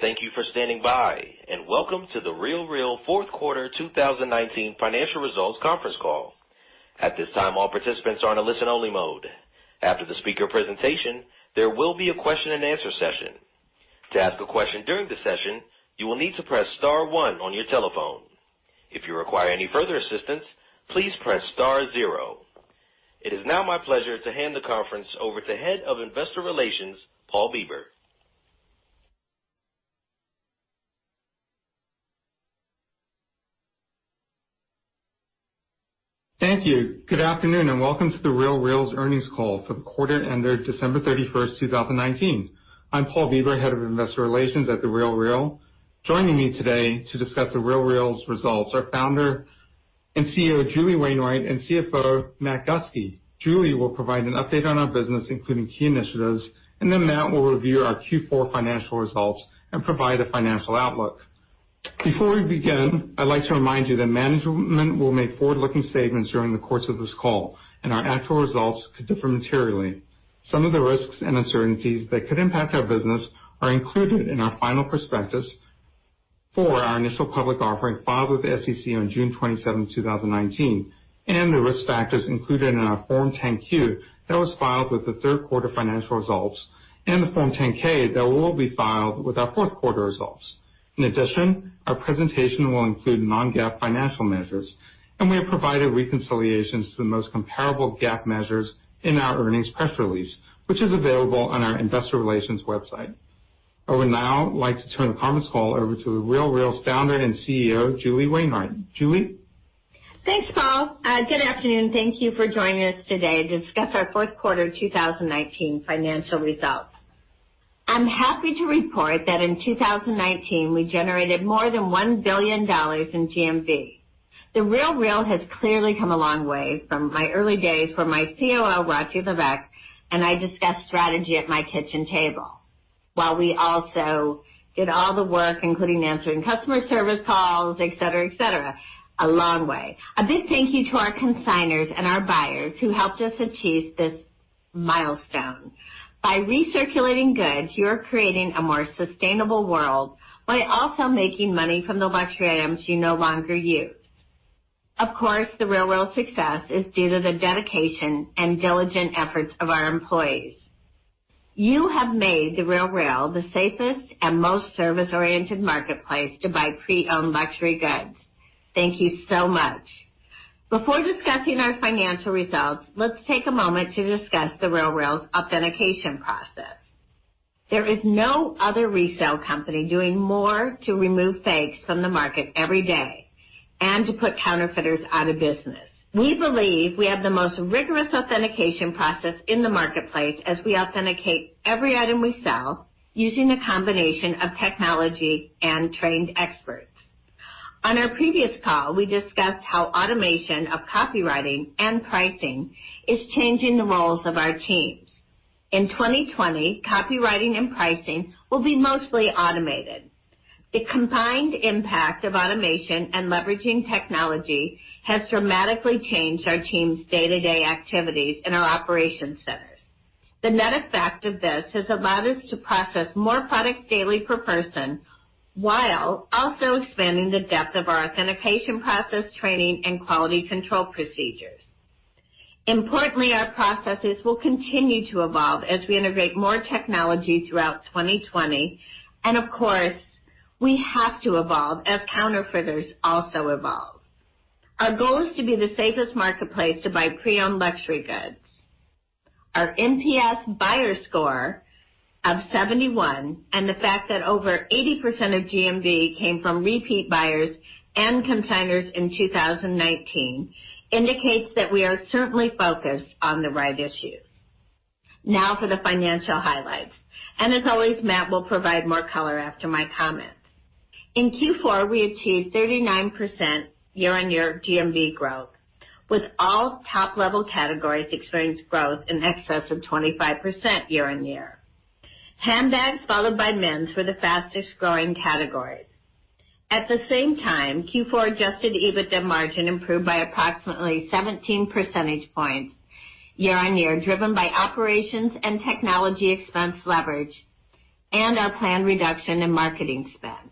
Thank you for standing by, and welcome to The RealReal fourth quarter 2019 financial results conference call. At this time, all participants are in a listen-only mode. After the speaker presentation, there will be a question and answer session. To ask a question during the session, you will need to press star one on your telephone. If you require any further assistance, please press star zero. It is now my pleasure to hand the conference over to Head of Investor Relations, Paul Bieber. Thank you. Good afternoon, welcome to The RealReal's earnings call for the quarter ended December 31st, 2019. I'm Paul Bieber, Head of Investor Relations at The RealReal. Joining me today to discuss The RealReal's results are Founder and CEO, Julie Wainwright, and CFO, Matt Gustke. Julie will provide an update on our business, including key initiatives, and then Matt will review our Q4 financial results and provide a financial outlook. Before we begin, I'd like to remind you that management will make forward-looking statements during the course of this call, and our actual results could differ materially. Some of the risks and uncertainties that could impact our business are included in our final prospectus for our initial public offering filed with the SEC on June 27th, 2019, and the risk factors included in our Form 10-Q that was filed with the third quarter financial results and the Form 10-K that will be filed with our fourth quarter results. In addition, our presentation will include non-GAAP financial measures, and we have provided reconciliations to the most comparable GAAP measures in our earnings press release, which is available on our investor relations website. I would now like to turn the conference call over to The RealReal's founder and CEO, Julie Wainwright. Julie? Thanks, Paul. Good afternoon. Thank you for joining us today to discuss our fourth quarter 2019 financial results. I'm happy to report that in 2019, we generated more than $1 billion in GMV. The RealReal has clearly come a long way from my early days when my COO, Rati Levesque, and I discussed strategy at my kitchen table, while we also did all the work, including answering customer service calls, et cetera, et cetera. A long way. A big thank you to our consignors and our buyers who helped us achieve this milestone. By recirculating goods, you are creating a more sustainable world while also making money from the luxury items you no longer use. The RealReal's success is due to the dedication and diligent efforts of our employees. You have made The RealReal the safest and most service-oriented marketplace to buy pre-owned luxury goods. Thank you so much. Before discussing our financial results, let's take a moment to discuss The RealReal's authentication process. There is no other resale company doing more to remove fakes from the market every day and to put counterfeiters out of business. We believe we have the most rigorous authentication process in the marketplace, as we authenticate every item we sell using a combination of technology and trained experts. On our previous call, we discussed how automation of copywriting and pricing is changing the roles of our teams. In 2020, copywriting and pricing will be mostly automated. The combined impact of automation and leveraging technology has dramatically changed our team's day-to-day activities in our operation centers. The net effect of this has allowed us to process more products daily per person while also expanding the depth of our authentication process training and quality control procedures. Importantly, our processes will continue to evolve as we integrate more technology throughout 2020, and of course, we have to evolve as counterfeiters also evolve. Our goal is to be the safest marketplace to buy pre-owned luxury goods. Our NPS buyer score of 71 and the fact that over 80% of GMV came from repeat buyers and consignors in 2019 indicates that we are certainly focused on the right issues. Now for the financial highlights, and as always, Matt will provide more color after my comments. In Q4, we achieved 39% year-on-year GMV growth, with all top-level categories experienced growth in excess of 25% year-on-year. Handbags followed by men's were the fastest-growing categories. At the same time, Q4 adjusted EBITDA margin improved by approximately 17 percentage points year-on-year, driven by operations and technology expense leverage, and our planned reduction in marketing spend.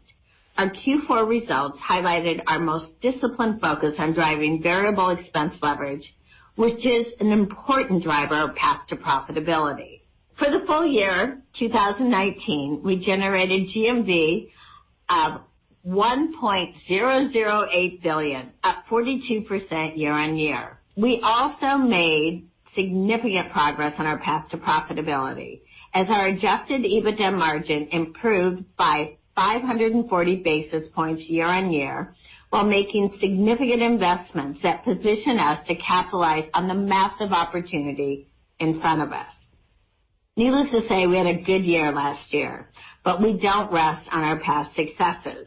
Our Q4 results highlighted our most disciplined focus on driving variable expense leverage, which is an important driver of path to profitability. For the full year 2019, we generated GMV of $1.008 billion, up 42% year-on-year. We also made significant progress on our path to profitability, as our adjusted EBITDA margin improved by 540 basis points year-on-year, while making significant investments that position us to capitalize on the massive opportunity in front of us. Needless to say, we had a good year last year, but we don't rest on our past successes.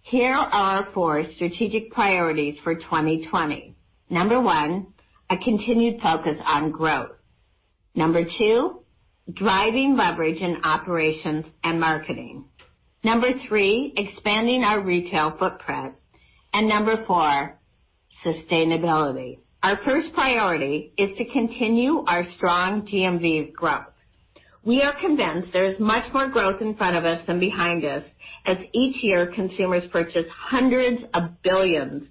Here are our four strategic priorities for 2020. Number one, a continued focus on growth. Number two, driving leverage in operations and marketing. Number three, expanding our retail footprint. Number four, Sustainability. Our first priority is to continue our strong GMV growth. We are convinced there is much more growth in front of us than behind us, as each year, consumers purchase hundreds of billions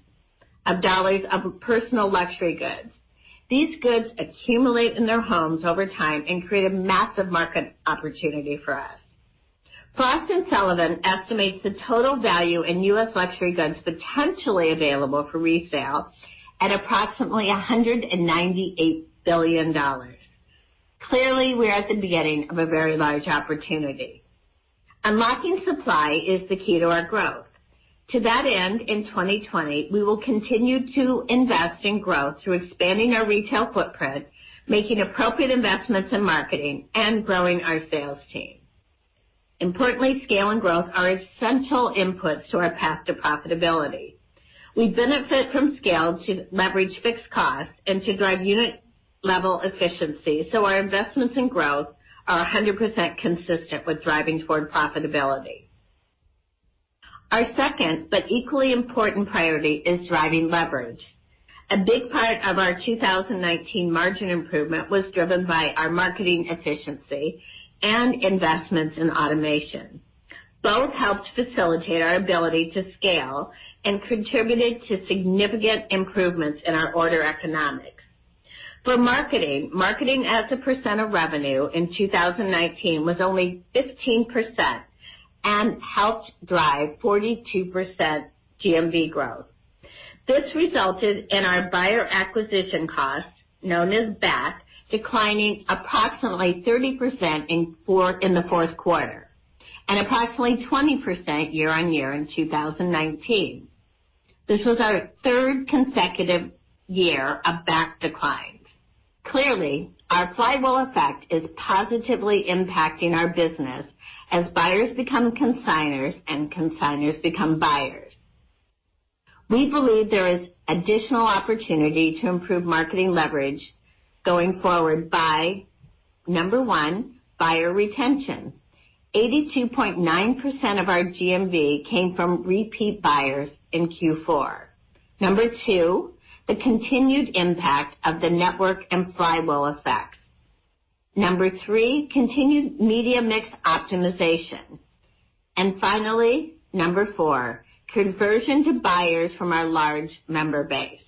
of dollars of personal luxury goods. These goods accumulate in their homes over time and create a massive market opportunity for us. Frost & Sullivan estimates the total value in U.S. luxury goods potentially available for resale at approximately $198 billion. Clearly, we're at the beginning of a very large opportunity. Unlocking supply is the key to our growth. To that end, in 2020, we will continue to invest in growth through expanding our retail footprint, making appropriate investments in marketing, and growing our sales team. Importantly, scale and growth are essential inputs to our path to profitability. We benefit from scale to leverage fixed costs and to drive unit-level efficiency, our investments in growth are 100% consistent with driving toward profitability. Our second, but equally important priority, is driving leverage. A big part of our 2019 margin improvement was driven by our marketing efficiency and investments in automation. Both helped facilitate our ability to scale and contributed to significant improvements in our order economics. For marketing as a percent of revenue in 2019 was only 15% and helped drive 42% GMV growth. This resulted in our buyer acquisition costs, known as BAC, declining approximately 30% in the fourth quarter, and approximately 20% year-on-year in 2019. This was our third consecutive year of BAC declines. Clearly, our flywheel effect is positively impacting our business as buyers become consignors and consignors become buyers. We believe there is additional opportunity to improve marketing leverage going forward by, number one, buyer retention. 82.9% of our GMV came from repeat buyers in Q4. Number two, the continued impact of the network and flywheel effects. Number three, continued media mix optimization. Finally, number four, conversion to buyers from our large member base.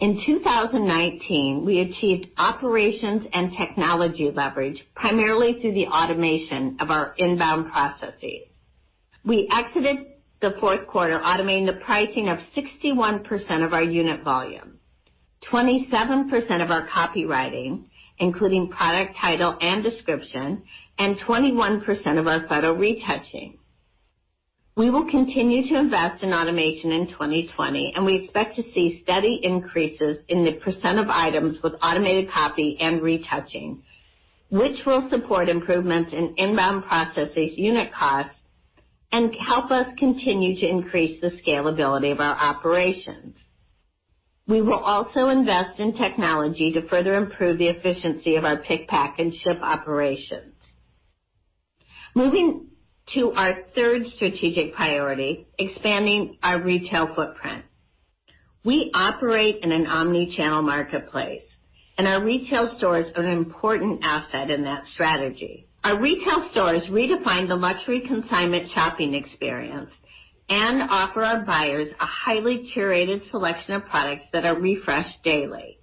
In 2019, we achieved operations and technology leverage primarily through the automation of our inbound processes. We exited the fourth quarter automating the pricing of 61% of our unit volume, 27% of our copywriting, including product title and description, and 21% of our photo retouching. We will continue to invest in automation in 2020, and we expect to see steady increases in the % of items with automated copy and retouching, which will support improvements in inbound processes unit costs, and help us continue to increase the scalability of our operations. We will also invest in technology to further improve the efficiency of our pick, pack, and ship operations. Moving to our third strategic priority, expanding our retail footprint. We operate in an omni-channel marketplace, and our retail stores are an important asset in that strategy. Our retail stores redefine the luxury consignment shopping experience and offer our buyers a highly curated selection of products that are refreshed daily.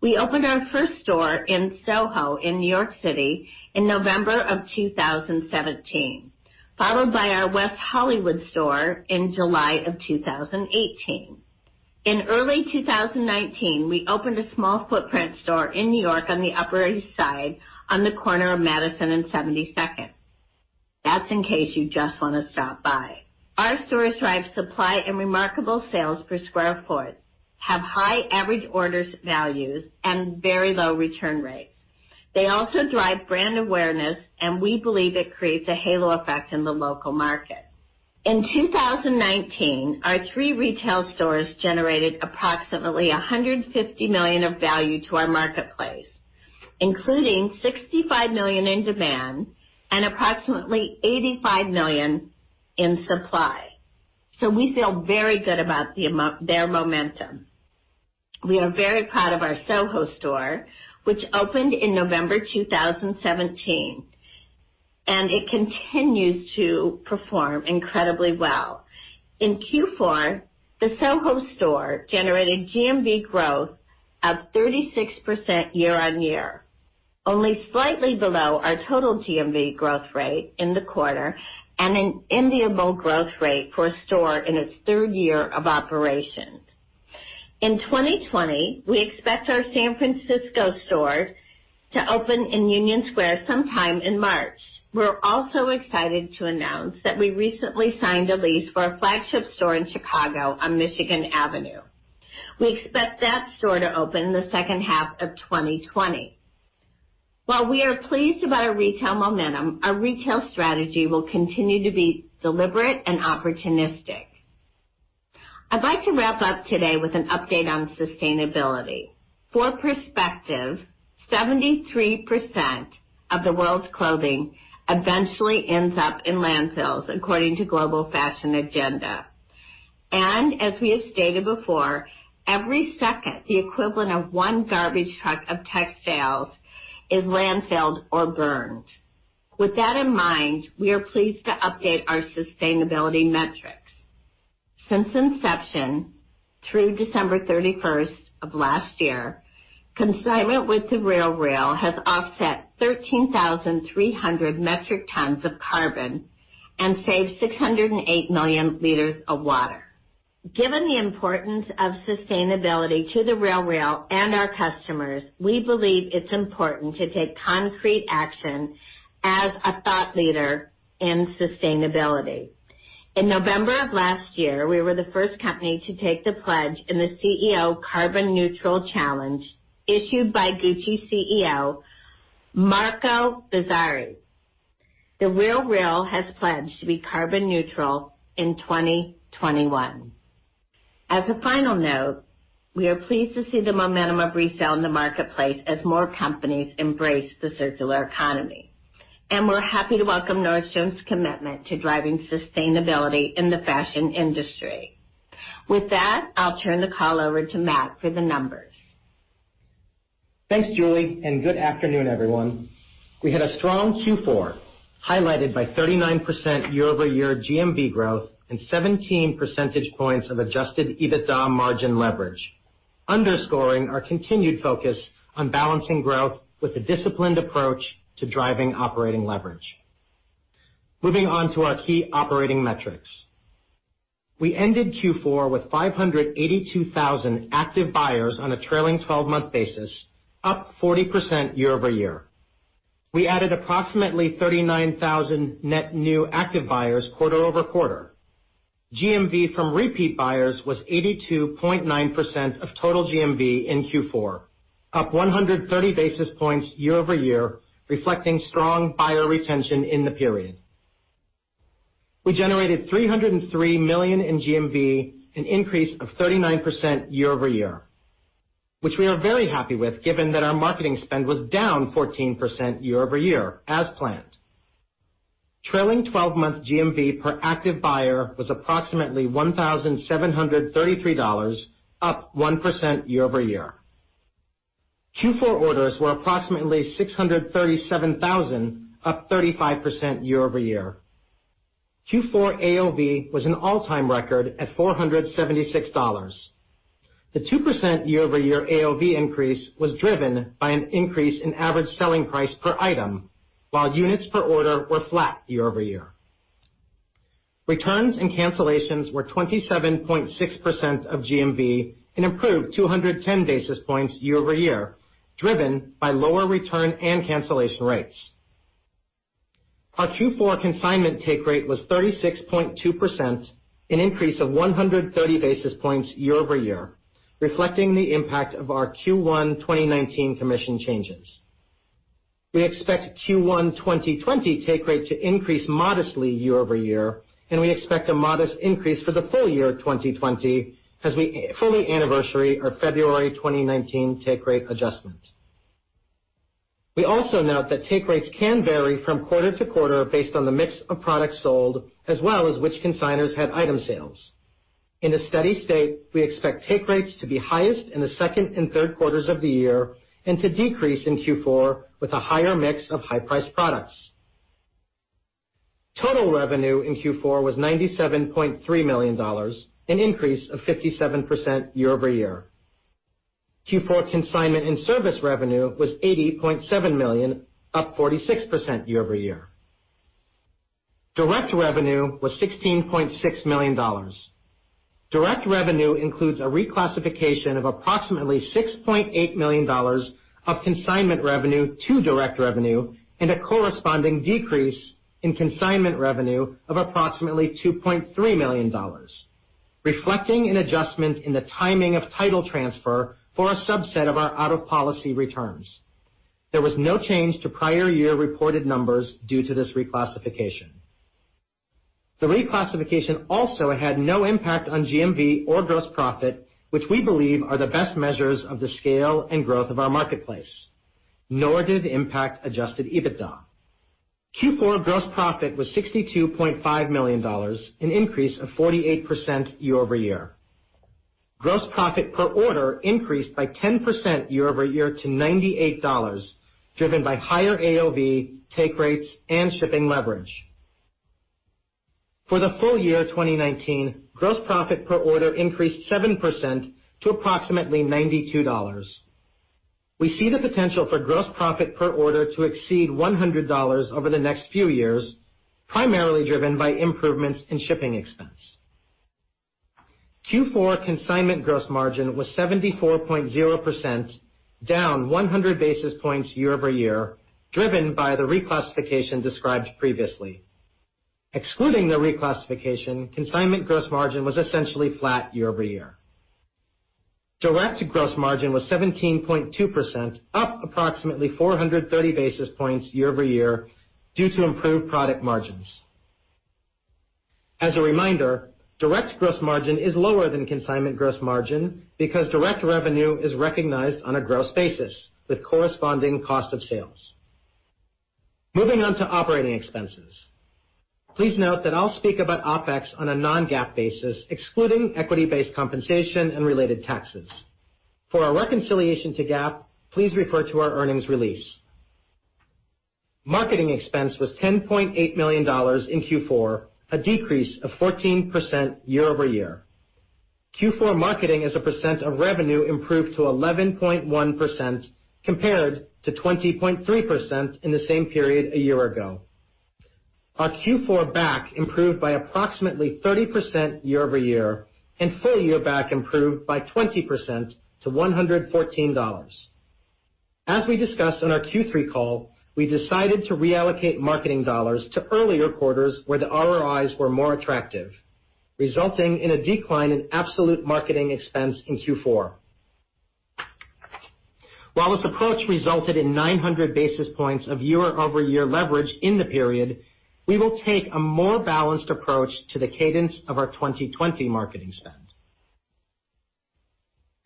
We opened our first store in SoHo in New York City in November of 2017, followed by our West Hollywood store in July of 2018. In early 2019, we opened a small footprint store in New York on the Upper East Side on the corner of Madison and 72nd. That's in case you just want to stop by. Our stores drive supply and remarkable sales per square foot, have high average orders values, and very low return rates. They also drive brand awareness, and we believe it creates a halo effect in the local market. In 2019, our three retail stores generated approximately $150 million of value to our marketplace, including $65 million in demand and approximately $85 million in supply. We feel very good about their momentum. We are very proud of our SoHo store, which opened in November 2017, and it continues to perform incredibly well. In Q4, the SoHo store generated GMV growth of 36% year-on-year, only slightly below our total GMV growth rate in the quarter, and an enviable growth rate for a store in its third year of operation. In 2020, we expect our San Francisco store to open in Union Square sometime in March. We're also excited to announce that we recently signed a lease for a flagship store in Chicago on Michigan Avenue. We expect that store to open in the second half of 2020. While we are pleased about our retail momentum, our retail strategy will continue to be deliberate and opportunistic. I'd like to wrap up today with an update on sustainability. For perspective 73% of the world's clothing eventually ends up in landfills, according to Global Fashion Agenda. As we have stated before, every second, the equivalent of one garbage truck of textiles is landfilled or burned. With that in mind, we are pleased to update our sustainability metrics. Since inception, through December 31st of last year, consignment with The RealReal has offset 13,300 metric tons of carbon and saved 608 million liters of water. Given the importance of sustainability to The RealReal and our customers, we believe it's important to take concrete action as a thought leader in sustainability. In November of last year, we were the first company to take the pledge in the CEO Carbon Neutral Challenge issued by Gucci CEO, Marco Bizzarri. The RealReal has pledged to be carbon neutral in 2021. As a final note, we are pleased to see the momentum of resale in the marketplace as more companies embrace the circular economy, and we're happy to welcome Nordstrom's commitment to driving sustainability in the fashion industry. With that, I'll turn the call over to Matt for the numbers. Thanks, Julie, and good afternoon, everyone. We had a strong Q4, highlighted by 39% year-over-year GMV growth and 17 percentage points of adjusted EBITDA margin leverage, underscoring our continued focus on balancing growth with a disciplined approach to driving operating leverage. Moving on to our key operating metrics. We ended Q4 with 582,000 active buyers on a trailing 12-month basis, up 40% year-over-year. We added approximately 39,000 net new active buyers quarter-over-quarter. GMV from repeat buyers was 82.9% of total GMV in Q4, up 130 basis points year-over-year, reflecting strong buyer retention in the period. We generated $303 million in GMV, an increase of 39% year-over-year, which we are very happy with given that our marketing spend was down 14% year-over-year, as planned. Trailing 12-month GMV per active buyer was approximately $1,733, up 1% year-over-year. Q4 orders were approximately 637,000, up 35% year-over-year. Q4 AOV was an all-time record at $476. The 2% year-over-year AOV increase was driven by an increase in average selling price per item while units per order were flat year-over-year. Returns and cancellations were 27.6% of GMV, an improvement 210 basis points year-over-year, driven by lower return and cancellation rates. Our Q4 consignment take rate was 36.2%, an increase of 130 basis points year-over-year, reflecting the impact of our Q1 2019 commission changes. We expect Q1 2020 take rate to increase modestly year-over-year, and we expect a modest increase for the full year 2020 as we fully anniversary our February 2019 take rate adjustment. We also note that take rates can vary from quarter to quarter based on the mix of products sold, as well as which consignors had item sales. In a steady state, we expect take rates to be highest in the second and third quarters of the year, and to decrease in Q4 with a higher mix of high-priced products. Total revenue in Q4 was $97.3 million, an increase of 57% year-over-year. Q4 consignment and service revenue was $80.7 million, up 46% year-over-year. Direct revenue was $16.6 million. Direct revenue includes a reclassification of approximately $6.8 million of consignment revenue to direct revenue, and a corresponding decrease in consignment revenue of approximately $2.3 million, reflecting an adjustment in the timing of title transfer for a subset of our out-of-policy returns. There was no change to prior year reported numbers due to this reclassification. The reclassification also had no impact on GMV or gross profit, which we believe are the best measures of the scale and growth of our marketplace, nor did it impact adjusted EBITDA. Q4 gross profit was $62.5 million, an increase of 48% year-over-year. Gross profit per order increased by 10% year-over-year to $98, driven by higher AOV, take rates, and shipping leverage. For the full year 2019, gross profit per order increased 7% to approximately $92. We see the potential for gross profit per order to exceed $100 over the next few years, primarily driven by improvements in shipping expense. Q4 consignment gross margin was 74.0%, down 100 basis points year-over-year, driven by the reclassification described previously. Excluding the reclassification, consignment gross margin was essentially flat year-over-year. Direct gross margin was 17.2%, up approximately 430 basis points year-over-year due to improved product margins. As a reminder, direct gross margin is lower than consignment gross margin because direct revenue is recognized on a gross basis with corresponding cost of sales. Moving on to operating expenses. Please note that I'll speak about OpEx on a non-GAAP basis, excluding equity-based compensation and related taxes. For a reconciliation to GAAP, please refer to our earnings release. Marketing expense was $10.8 million in Q4, a decrease of 14% year-over-year. Q4 marketing as a percent of revenue improved to 11.1% compared to 20.3% in the same period a year ago. Our Q4 BAC improved by approximately 30% year-over-year, full-year BAC improved by 20% to $114. As we discussed on our Q3 call, we decided to reallocate marketing dollars to earlier quarters where the ROIs were more attractive, resulting in a decline in absolute marketing expense in Q4. While this approach resulted in 900 basis points of year-over-year leverage in the period, we will take a more balanced approach to the cadence of our 2020 marketing spend.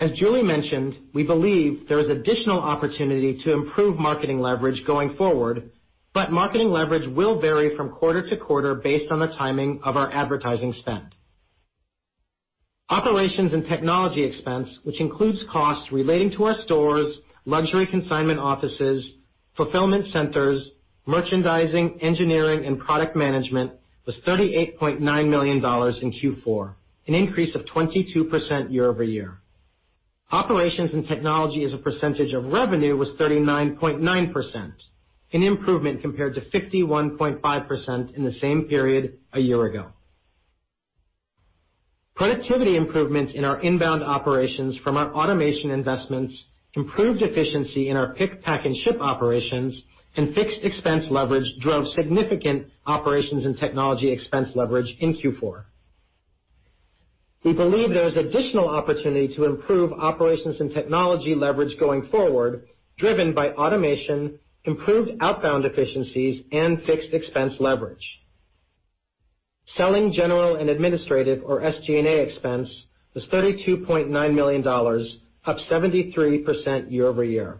As Julie mentioned, we believe there is additional opportunity to improve marketing leverage going forward, but marketing leverage will vary from quarter-to-quarter based on the timing of our advertising spend. Operations and technology expense, which includes costs relating to our stores, luxury consignment offices, fulfillment centers, merchandising, engineering, and product management, was $38.9 million in Q4, an increase of 22% year-over-year. Operations and technology as a percentage of revenue was 39.9%, an improvement compared to 51.5% in the same period a year ago. Productivity improvements in our inbound operations from our automation investments, improved efficiency in our pick, pack, and ship operations, and fixed expense leverage drove significant operations and technology expense leverage in Q4. We believe there is additional opportunity to improve operations and technology leverage going forward, driven by automation, improved outbound efficiencies, and fixed expense leverage. Selling, general, and administrative or SG&A expense was $32.9 million, up 73%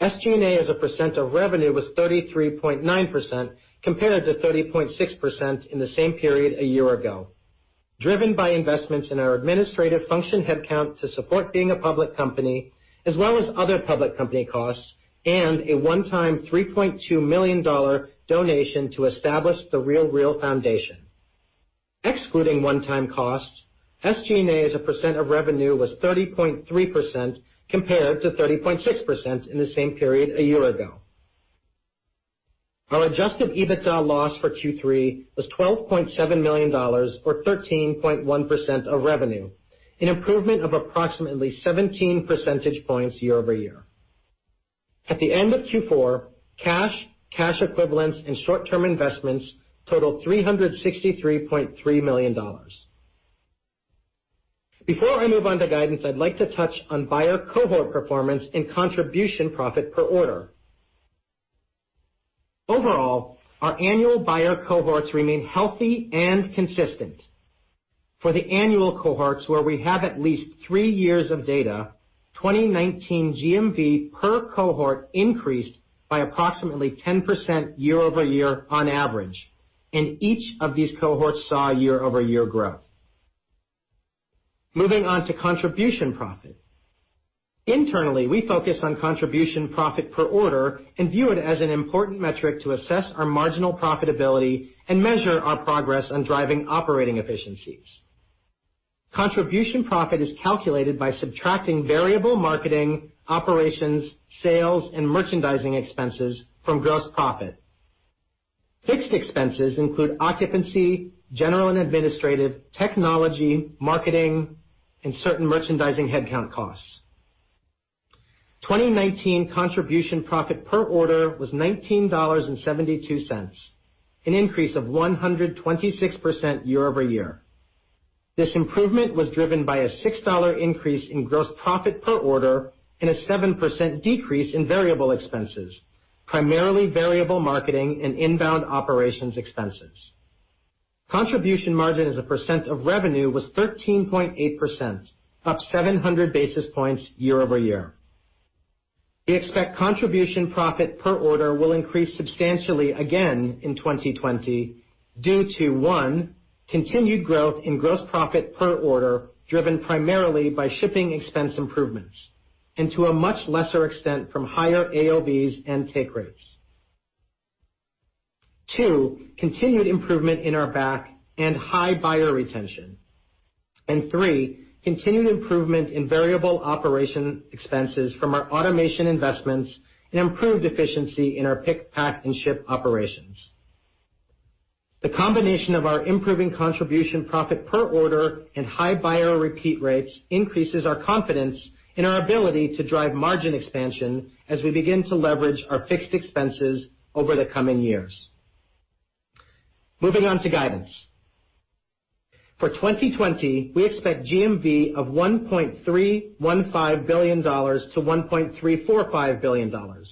year-over-year. SG&A as a percent of revenue was 33.9%, compared to 30.6% in the same period a year ago, driven by investments in our administrative function head count to support being a public company, as well as other public company costs, and a one-time $3.2 million donation to establish The RealReal Foundation. Excluding one-time costs, SG&A as a percent of revenue was 30.3%, compared to 30.6% in the same period a year ago. Our adjusted EBITDA loss for Q3 was $12.7 million or 13.1% of revenue, an improvement of approximately 17 percentage points year-over-year. At the end of Q4, cash equivalents, and short-term investments totaled $363.3 million. Before I move on to guidance, I'd like to touch on buyer cohort performance and contribution profit per order. Overall, our annual buyer cohorts remain healthy and consistent. For the annual cohorts where we have at least three years of data, 2019 GMV per cohort increased by approximately 10% year-over-year on average, and each of these cohorts saw year-over-year growth. Moving on to contribution profit. Internally, we focus on contribution profit per order and view it as an important metric to assess our marginal profitability and measure our progress on driving operating efficiencies. Contribution profit is calculated by subtracting variable marketing, operations, sales, and merchandising expenses from gross profit. Fixed expenses include occupancy, general and administrative, technology, marketing, and certain merchandising headcount costs. 2019 contribution profit per order was $19.72, an increase of 126% year-over-year. This improvement was driven by a $6 increase in gross profit per order and a 7% decrease in variable expenses, primarily variable marketing and inbound operations expenses. Contribution margin as a percent of revenue was 13.8%, up 700 basis points year-over-year. We expect contribution profit per order will increase substantially again in 2020 due to, 1, continued growth in gross profit per order driven primarily by shipping expense improvements, and to a much lesser extent, from higher AOVs and take rates. 2, continued improvement in our CAC and high buyer retention. 3, continued improvement in variable operating expenses from our automation investments and improved efficiency in our pick, pack, and ship operations. The combination of our improving contribution profit per order and high buyer repeat rates increases our confidence in our ability to drive margin expansion as we begin to leverage our fixed expenses over the coming years. Moving on to guidance. For 2020, we expect GMV of $1.315 billion-$1.345 billion,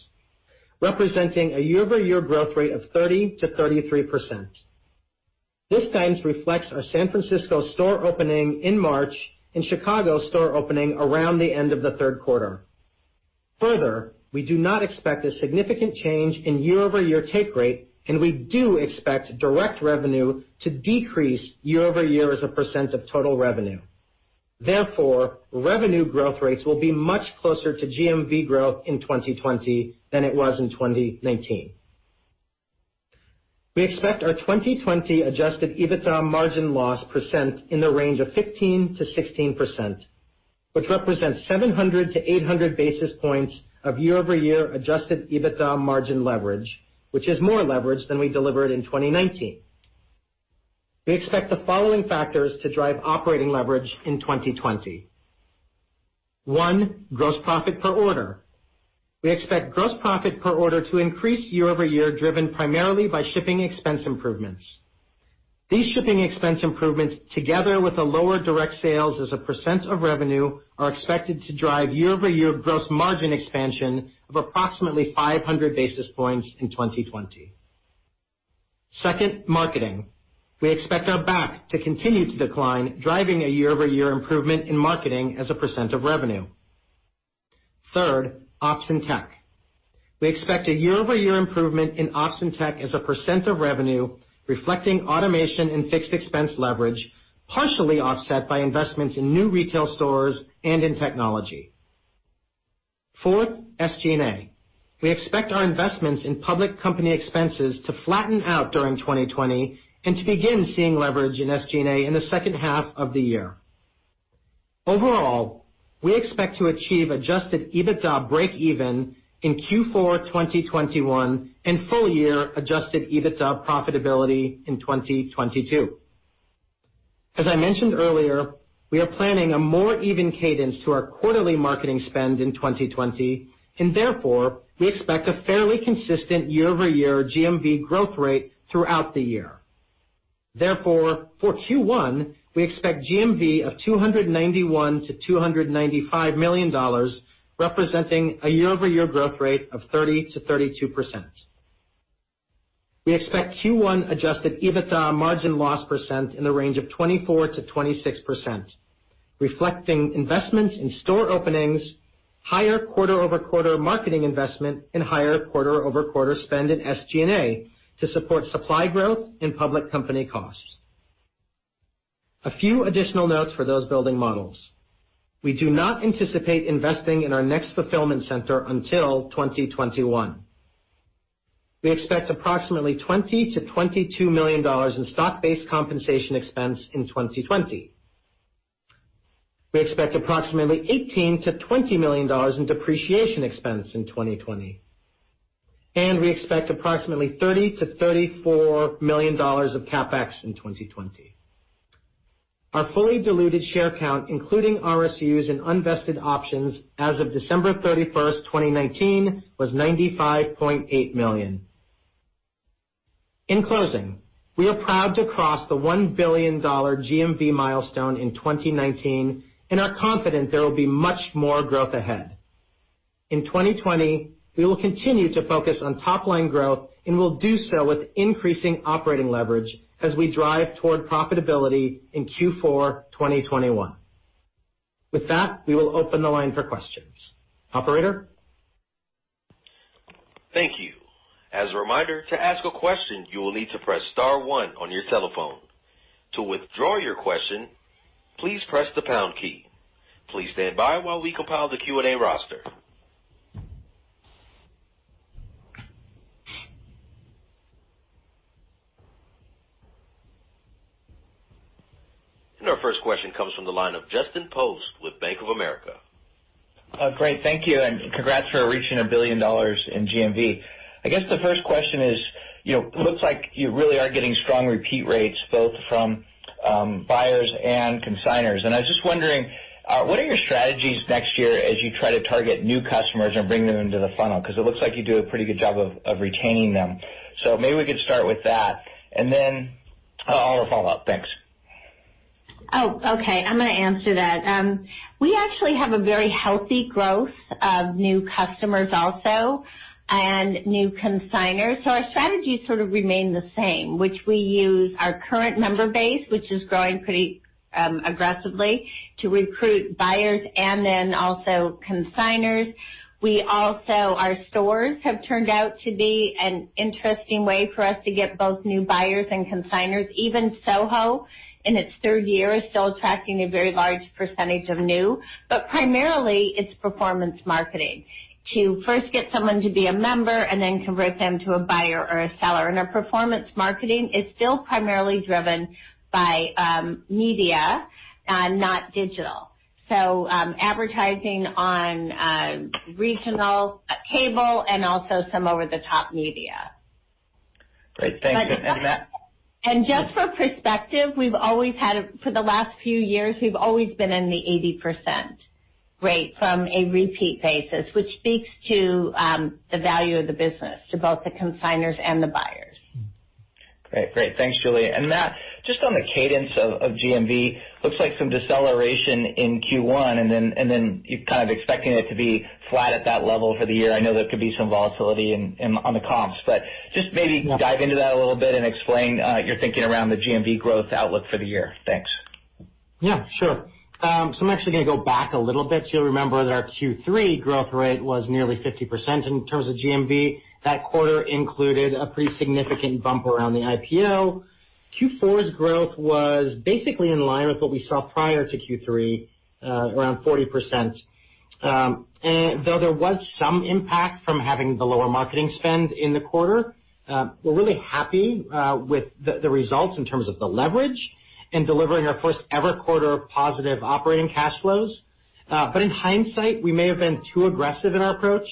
representing a year-over-year growth rate of 30%-33%. This guidance reflects our San Francisco store opening in March and Chicago store opening around the end of the third quarter. We do not expect a significant change in year-over-year take rate, and we do expect direct revenue to decrease year-over-year as a percent of total revenue. Revenue growth rates will be much closer to GMV growth in 2020 than it was in 2019. We expect our 2020 adjusted EBITDA margin loss percent in the range of 15%-16%, which represents 700 to 800 basis points of year-over-year adjusted EBITDA margin leverage, which is more leverage than we delivered in 2019. We expect the following factors to drive operating leverage in 2020. One, gross profit per order. We expect gross profit per order to increase year-over-year, driven primarily by shipping expense improvements. These shipping expense improvements, together with the lower direct sales as a % of revenue, are expected to drive year-over-year gross margin expansion of approximately 500 basis points in 2020. Second, marketing. We expect our BAC to continue to decline, driving a year-over-year improvement in marketing as a percent of revenue. Third, ops and tech. We expect a year-over-year improvement in ops and tech as a percent of revenue, reflecting automation and fixed expense leverage, partially offset by investments in new retail stores and in technology. Fourth, SG&A. We expect our investments in public company expenses to flatten out during 2020 and to begin seeing leverage in SG&A in the second half of the year. Overall, we expect to achieve adjusted EBITDA breakeven in Q4 2021, and full year adjusted EBITDA profitability in 2022. As I mentioned earlier, we are planning a more even cadence to our quarterly marketing spend in 2020, and therefore, we expect a fairly consistent year-over-year GMV growth rate throughout the year. Therefore, for Q1, we expect GMV of $291 million-$295 million, representing a year-over-year growth rate of 30%-32%. We expect Q1 adjusted EBITDA margin loss percent in the range of 24%-26%, reflecting investments in store openings, higher quarter-over-quarter marketing investment, and higher quarter-over-quarter spend in SG&A to support supply growth and public company costs. A few additional notes for those building models. We do not anticipate investing in our next fulfillment center until 2021. We expect approximately $20 million-$22 million in stock-based compensation expense in 2020. We expect approximately $18 million-$20 million in depreciation expense in 2020. We expect approximately $30 million-$34 million of CapEx in 2020. Our fully diluted share count, including RSUs and unvested options as of December 31st, 2019, was 95.8 million. In closing, we are proud to cross the $1 billion GMV milestone in 2019 and are confident there will be much more growth ahead. In 2020, we will continue to focus on top-line growth and will do so with increasing operating leverage as we drive toward profitability in Q4 2021. With that, we will open the line for questions. Operator? Thank you. As a reminder, to ask a question, you will need to press star one on your telephone. To withdraw your question, please press the pound key. Please stand by while we compile the Q&A roster. Our first question comes from the line of Justin Post with Bank of America. Great. Thank you. Congrats for reaching $1 billion in GMV. The first question is, it looks like you really are getting strong repeat rates, both from buyers and consignors. I was just wondering, what are your strategies next year as you try to target new customers and bring them into the funnel? It looks like you do a pretty good job of retaining them. Maybe we could start with that. Then I'll follow up. Thanks. Oh, okay. I'm going to answer that. We actually have a very healthy growth of new customers also, and new consignors. Our strategy sort of remains the same, which we use our current member base, which is growing pretty aggressively to recruit buyers and then also consignors. Also, our stores have turned out to be an interesting way for us to get both new buyers and consignors. Even SoHo, in its third year, is still attracting a very large percentage of new. Primarily, it's performance marketing to first get someone to be a member and then convert them to a buyer or a seller. Our performance marketing is still primarily driven by media, not digital. Advertising on regional cable and also some over-the-top media. Great. Thank you. Just for perspective, for the last few years, we've always been in the 80%. Great. From a repeat basis, which speaks to the value of the business to both the consignors and the buyers. Great. Thanks, Julie. Matt, just on the cadence of GMV, looks like some deceleration in Q1, and then you're kind of expecting it to be flat at that level for the year. I know there could be some volatility on the comps, but just maybe dive into that a little bit and explain your thinking around the GMV growth outlook for the year. Thanks. Yeah, sure. I'm actually going to go back a little bit. You'll remember that our Q3 growth rate was nearly 50% in terms of GMV. That quarter included a pretty significant bump around the IPO. Q4's growth was basically in line with what we saw prior to Q3, around 40%. There was some impact from having the lower marketing spend in the quarter, we're really happy with the results in terms of the leverage in delivering our first ever quarter of positive operating cash flows. In hindsight, we may have been too aggressive in our approach,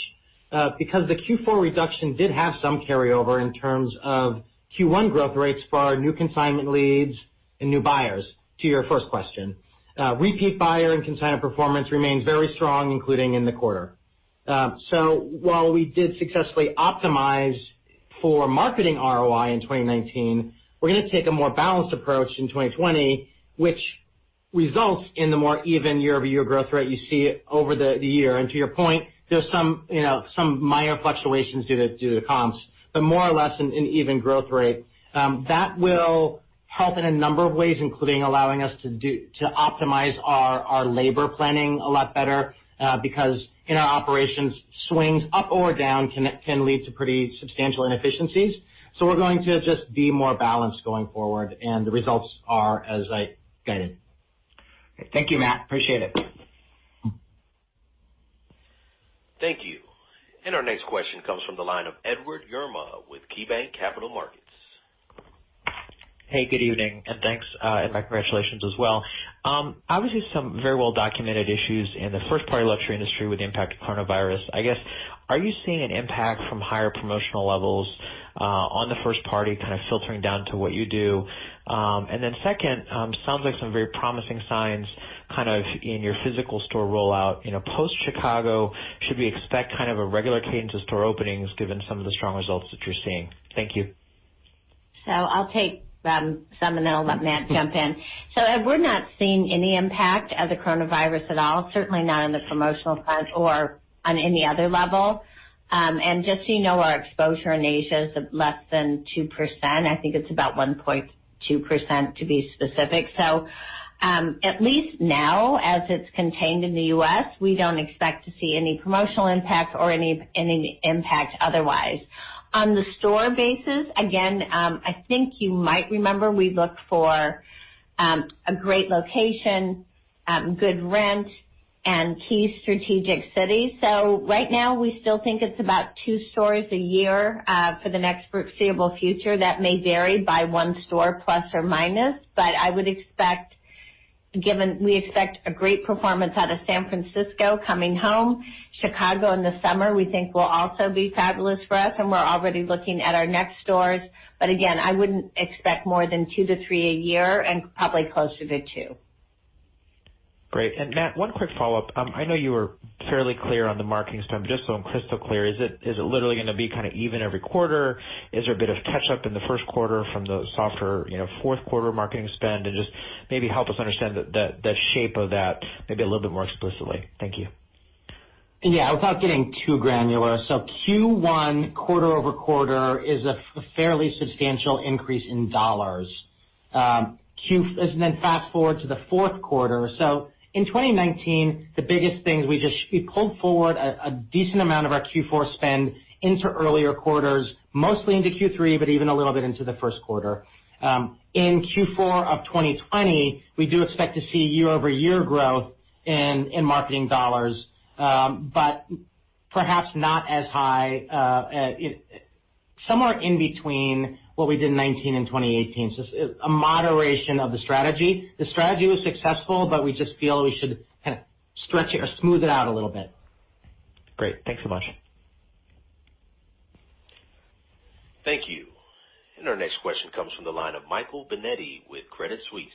because the Q4 reduction did have some carryover in terms of Q1 growth rates for our new consignment leads and new buyers. To your first question, repeat buyer and consignor performance remains very strong, including in the quarter. While we did successfully optimize for marketing ROI in 2019, we're going to take a more balanced approach in 2020, which results in the more even year-over-year growth rate you see over the year. To your point, there's some minor fluctuations due to comps, but more or less an even growth rate. That will help in a number of ways, including allowing us to optimize our labor planning a lot better, because in our operations, swings up or down can lead to pretty substantial inefficiencies. We're going to just be more balanced going forward, and the results are as I guided. Thank you, Matt. Appreciate it. Thank you. Our next question comes from the line of Edward Yruma with KeyBanc Capital Markets. Hey, good evening, and thanks. My congratulations as well. Obviously, some very well-documented issues in the first party luxury industry with the impact of coronavirus. I guess, are you seeing an impact from higher promotional levels on the first party kind of filtering down to what you do? Second, sounds like some very promising signs kind of in your physical store rollout. Post Chicago, should we expect kind of a regular cadence of store openings given some of the strong results that you're seeing? Thank you. I'll take some, I'll let Matt jump in. Ed, we're not seeing any impact of the coronavirus at all, certainly not on the promotional front or on any other level. Just so you know, our exposure in Asia is less than 2%. I think it's about 1.2% to be specific. At least now, as it's contained in the U.S., we don't expect to see any promotional impact or any impact otherwise. On the store basis, again, I think you might remember, we look for a great location, good rent, and key strategic cities. Right now, we still think it's about two stores a year for the next foreseeable future. That may vary by one store plus or minus, but I would expect, given we expect a great performance out of San Francisco coming home, Chicago in the summer, we think will also be fabulous for us, and we're already looking at our next stores. Again, I wouldn't expect more than two to three a year and probably closer to two. Great. Matt, one quick follow-up. I know you were fairly clear on the marketing spend, but just so I'm crystal clear, is it literally going to be kind of even every quarter? Is there a bit of catch up in the first quarter from the softer fourth quarter marketing spend? Just maybe help us understand the shape of that maybe a little bit more explicitly. Thank you. Yeah. Without getting too granular. Q1 quarter-over-quarter is a fairly substantial increase in dollars. Fast-forward to the fourth quarter. In 2019, the biggest thing, we pulled forward a decent amount of our Q4 spend into earlier quarters, mostly into Q3, but even a little bit into the first quarter. In Q4 of 2020, we do expect to see year-over-year growth in marketing dollars, but perhaps not as high. Somewhere in between what we did in 2019 and 2018. A moderation of the strategy. The strategy was successful, but we just feel we should kind of stretch it or smooth it out a little bit. Great. Thanks so much. Thank you. Our next question comes from the line of Michael Binetti with Credit Suisse.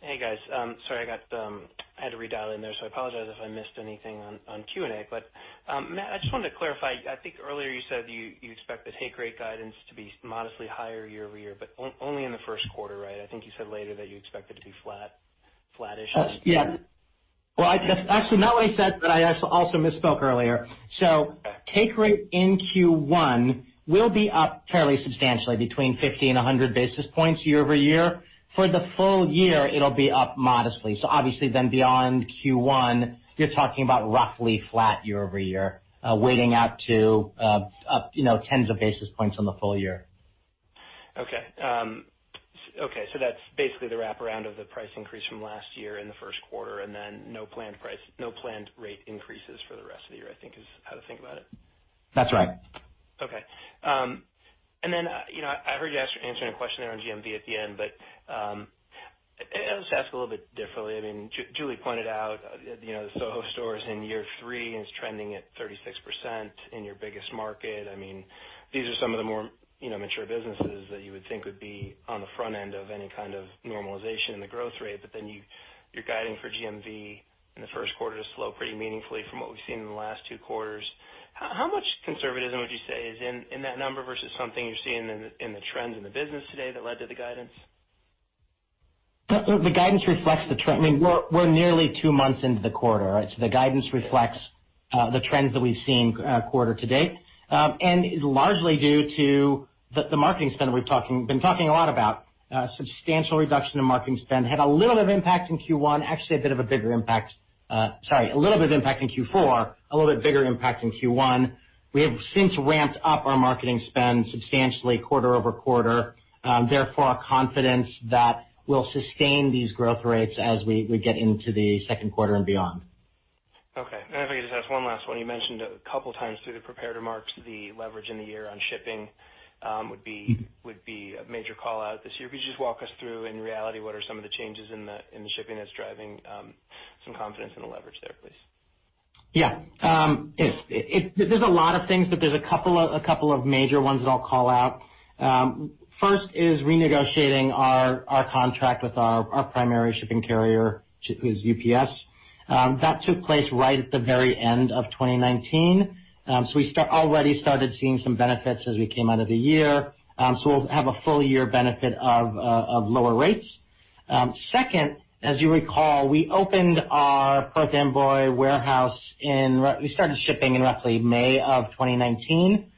Hey, guys. Sorry, I had to redial in there, so I apologize if I missed anything on Q&A. Matt, I just wanted to clarify. I think earlier you said you expect the take rate guidance to be modestly higher year-over-year, but only in the first quarter, right? I think you said later that you expect it to be flattish. Yeah. Well, actually, not only said, but I also misspoke earlier. Take rate in Q1 will be up fairly substantially, between 50 and 100 basis points year-over-year. For the full year, it'll be up modestly. Obviously then beyond Q1, you're talking about roughly flat year-over-year, weighting out to up tens of basis points on the full year. Okay. That's basically the wraparound of the price increase from last year in the first quarter, and then no planned rate increases for the rest of the year, I think is how to think about it. That's right. Okay. I heard you answering a question there on GMV at the end. I'll just ask a little bit differently. Julie pointed out, the SoHo store is in year three, and it's trending at 36% in your biggest market. These are some of the more mature businesses that you would think would be on the front end of any kind of normalization in the growth rate. You're guiding for GMV in the first quarter to slow pretty meaningfully from what we've seen in the last two quarters. How much conservatism would you say is in that number versus something you're seeing in the trends in the business today that led to the guidance? The guidance reflects the trend. We're nearly two months into the quarter. The guidance reflects the trends that we've seen quarter to date and is largely due to the marketing spend we've been talking a lot about. Substantial reduction in marketing spend had a little bit of impact in Q4, a little bit bigger impact in Q1. We have since ramped up our marketing spend substantially quarter-over-quarter, therefore, are confident that we'll sustain these growth rates as we get into the second quarter and beyond. Okay. If I could just ask one last one. You mentioned a couple times through the prepared remarks, the leverage in the year on shipping would be a major call-out this year. Could you just walk us through, in reality, what are some of the changes in the shipping that's driving some confidence in the leverage there, please? There's a lot of things, but there's a couple of major ones that I'll call out. First is renegotiating our contract with our primary shipping carrier, who is UPS. That took place right at the very end of 2019. We already started seeing some benefits as we came out of the year. We'll have a full year benefit of lower rates. Second, as you recall, we opened our Perth Amboy warehouse. We started shipping in roughly May of 2019.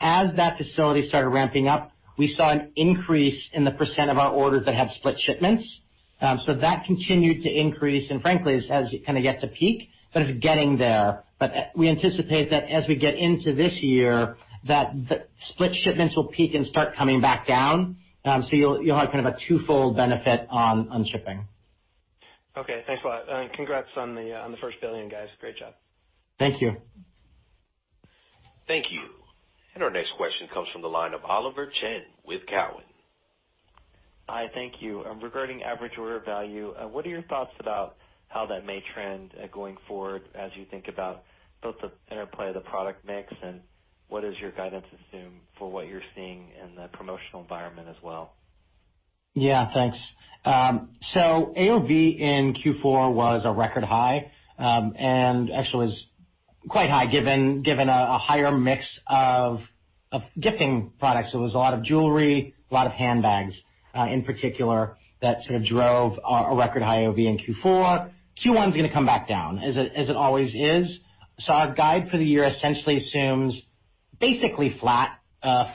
As that facility started ramping up, we saw an increase in the percent of our orders that have split shipments. That continued to increase, and frankly, as it kind of gets to peak, it's getting there. We anticipate that as we get into this year, that the split shipments will peak and start coming back down. You'll have kind of a twofold benefit on shipping. Okay, thanks a lot. Congrats on the first $1 billion, guys. Great job. Thank you. Thank you. Our next question comes from the line of Oliver Chen with Cowen. Hi, thank you. Regarding Average Order Value, what are your thoughts about how that may trend going forward as you think about both the interplay of the product mix, and what is your guidance assume for what you're seeing in the promotional environment as well? AOV in Q4 was a record high, and actually was quite high given a higher mix of gifting products. There was a lot of jewelry, a lot of handbags, in particular, that sort of drove a record high AOV in Q4. Q1's gonna come back down, as it always is. Our guide for the year essentially assumes basically flat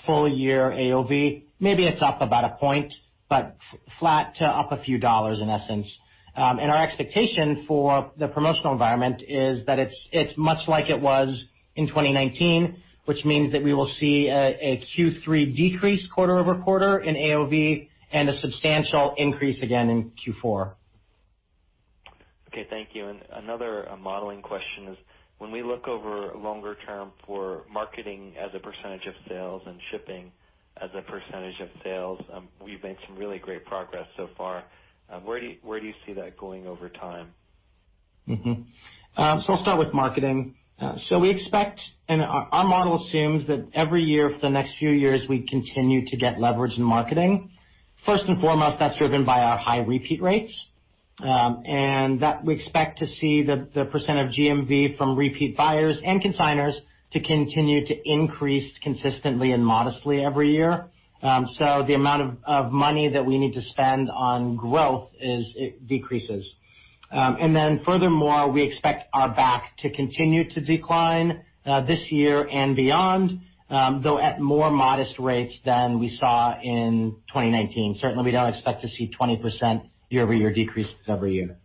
full year AOV. Maybe it's up about a point, but flat to up a few dollars, in essence. Our expectation for the promotional environment is that it's much like it was in 2019, which means that we will see a Q3 decrease quarter-over-quarter in AOV, and a substantial increase again in Q4. Okay, thank you. Another modeling question is, when we look over longer term for marketing as a percentage of sales, and shipping as a percentage of sales, we've made some really great progress so far. Where do you see that going over time? I'll start with marketing. We expect, and our model assumes that every year for the next few years, we continue to get leverage in marketing. First and foremost, that's driven by our high repeat rates. That we expect to see the percent of GMV from repeat buyers and consignors to continue to increase consistently and modestly every year. The amount of money that we need to spend on growth decreases. Furthermore, we expect our BAC to continue to decline this year and beyond, though at more modest rates than we saw in 2019. Certainly, we don't expect to see 20% year-over-year decreases every year.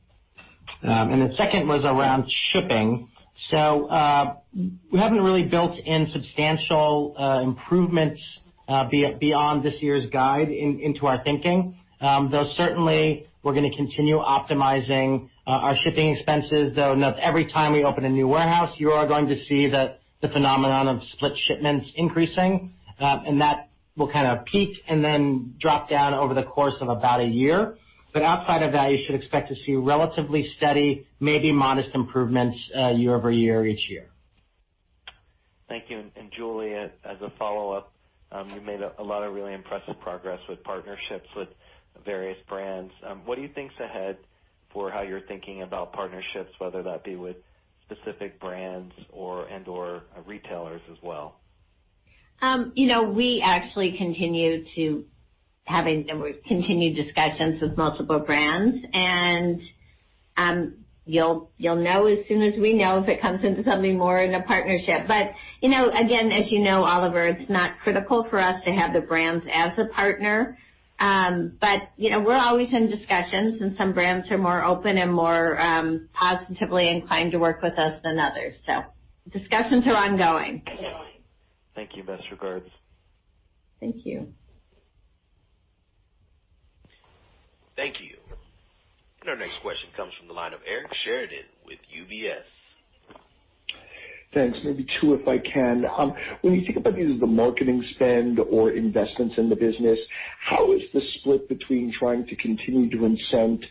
The second was around shipping. We haven't really built in substantial improvements, beyond this year's guide into our thinking. Certainly, we're gonna continue optimizing our shipping expenses, though every time we open a new warehouse, you are going to see the phenomenon of split shipments increasing. That will kind of peak and then drop down over the course of about one year. Outside of that, you should expect to see relatively steady, maybe modest improvements year-over-year, each year. Thank you. Julie, as a follow-up, you made a lot of really impressive progress with partnerships with various brands. What do you think's ahead for how you're thinking about partnerships, whether that be with specific brands and/or retailers as well? We actually continue to have, and we've continued discussions with multiple brands, and you'll know as soon as we know if it comes into something more in a partnership. Again, as you know, Oliver, it's not critical for us to have the brands as a partner. We're always in discussions, and some brands are more open and more positively inclined to work with us than others. Discussions are ongoing. Thank you. Best regards. Thank you. Thank you. Our next question comes from the line of Eric Sheridan with UBS. Thanks. Maybe two if I can. You think about the marketing spend or investments in the business, how is the split between trying to continue to incent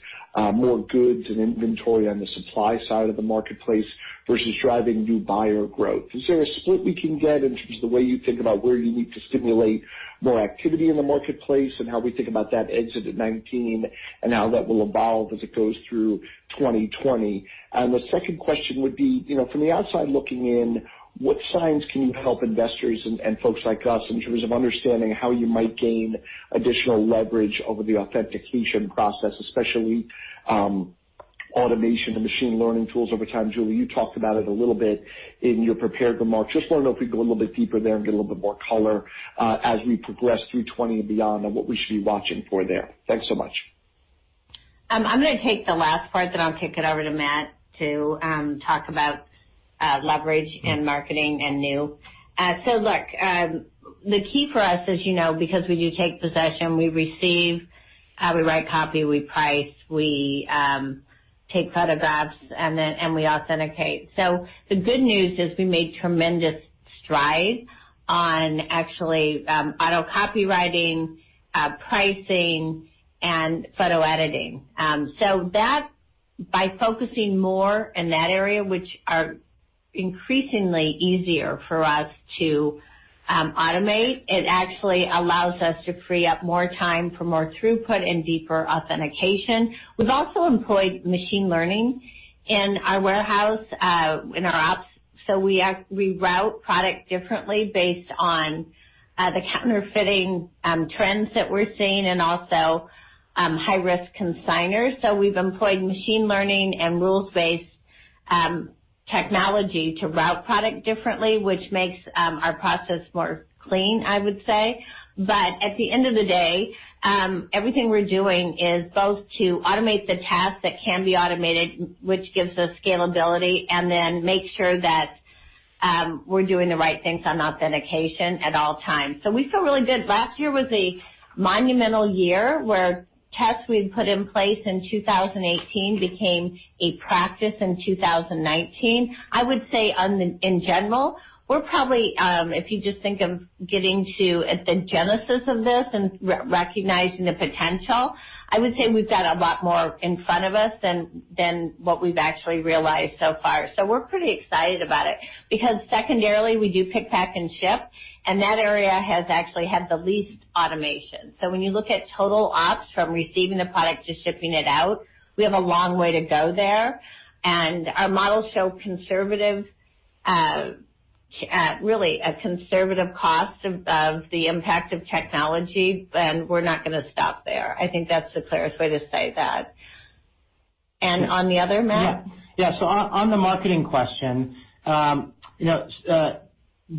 more goods and inventory on the supply side of the marketplace versus driving new buyer growth? Is there a split we can get in terms of the way you think about where you need to stimulate more activity in the marketplace and how we think about that exit at 2019 and how that will evolve as it goes through 2020? The second question would be, from the outside looking in, what signs can you help investors and folks like us in terms of understanding how you might gain additional leverage over the authentication process, especially automation and machine learning tools over time? Julie, you talked about it a little bit in your prepared remarks. Just want to know if we can go a little bit deeper there and get a little bit more color as we progress through 2020 and beyond on what we should be watching for there. Thanks so much. I'm going to take the last part, then I'll kick it over to Matt to talk about leverage and marketing and new. Look, the key for us is, because we do take possession, we receive, we write copy, we price, we take photographs, and we authenticate. The good news is we made tremendous strides on actually auto-copywriting, pricing, and photo editing. By focusing more in that area, which are increasingly easier for us to automate, it actually allows us to free up more time for more throughput and deeper authentication. We've also employed machine learning in our warehouse, in our ops. We route product differently based on the counterfeiting trends that we're seeing and also high-risk consignors. We've employed machine learning and rules-based technology to route product differently, which makes our process more clean, I would say. At the end of the day, everything we're doing is both to automate the tasks that can be automated, which gives us scalability, and then make sure that we're doing the right things on authentication at all times. We feel really good. Last year was a monumental year where tests we had put in place in 2018 became a practice in 2019. I would say in general, if you just think of getting to at the genesis of this and recognizing the potential, I would say we've got a lot more in front of us than what we've actually realized so far. We're pretty excited about it, because secondarily, we do pick, pack, and ship, and that area has actually had the least automation. When you look at total ops from receiving the product to shipping it out, we have a long way to go there, and our models show really a conservative cost of the impact of technology, and we're not going to stop there. I think that's the clearest way to say that. On the other, Matt? On the marketing question,